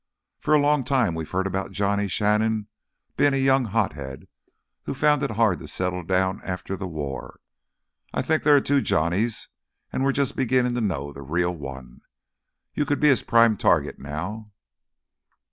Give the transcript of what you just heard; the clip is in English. For a long time we've heard about Johnny Shannon being a young hothead who found it hard to settle down after the war. I think there are two Johnnys and we are just beginning to know the real one. You could be his prime target now."